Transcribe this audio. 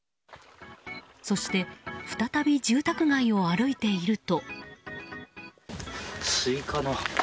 そして再び、住宅街を歩いていると。